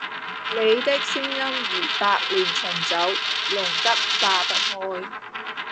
你的聲音如百年純酒，濃得化不開。